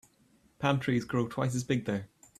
Palm trees grow twice as big there.